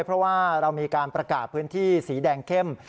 เพราะว่าเรามีการประกาศพื้นที่สีแดงเข้ม